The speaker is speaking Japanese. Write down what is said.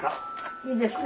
いいですね。